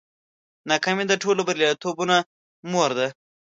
ناکامي د ټولو بریالیتوبونو مور ده.